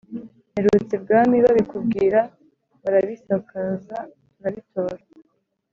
mperutse i bwami babikubwira, barabisakaza turabitora,